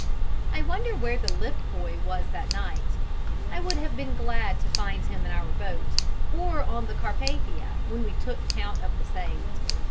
I wonder where the lift boy was that night. I would have been glad to find him in our boat, or on the Carpathia when we took count of the saved.